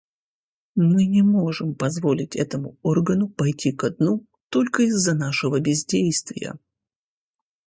Мы не можем позволить этому органу пойти ко дну только из-за нашего бездействия.